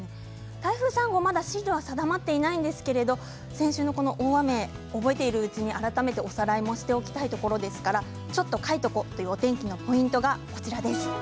台風３号まだ進路は定まっていないですが先週の大雨を覚えてる時に改めておさらいもしていきたいところですから「ちょっと書いとこ！」というお天気のポイントは、こちらです。